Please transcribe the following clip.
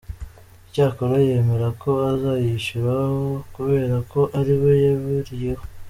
Icyakora yemera ko azayishyura kubera ko ari we yaburiyeho.